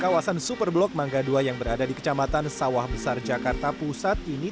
kawasan superblok mangga ii yang berada di kecamatan sawah besar jakarta pusat ini